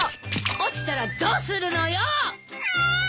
落ちたらどうするのよ！